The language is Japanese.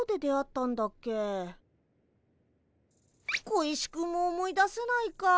小石くんも思い出せないか。